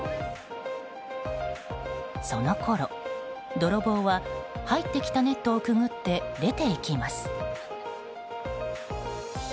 そのころ、泥棒は入ってきたネットをくぐって出ていきます。